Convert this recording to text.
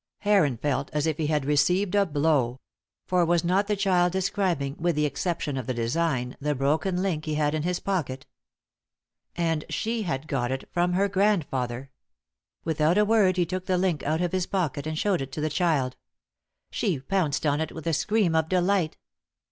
Heron felt as if he had received a blow. For was not the child describing, with the exception of the design, the broken link he had in his pocket? And she had got it from her grandfather! Without a word he took the link out of his pocket and shewed it to the child. She pounced on it with a scream of delight.